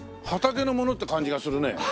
畑のものって感じがするね。